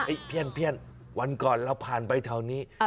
เพี้ยนวันก่อนเราผ่านไปแถวนี้